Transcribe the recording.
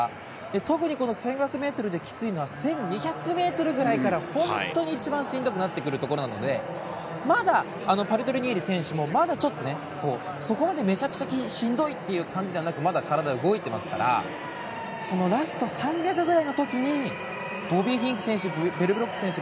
特にこの１５００ｍできついのは１２００ｍぐらいから本当に一番しんどくなってくるところなのでまだパルトリニエリ選手もまだちょっとそこまでめちゃくちゃしんどいっていう感じではなくまだ体が動いていますからラスト３００ｍくらいの時にボビー・フィンク選手ベルブロック選手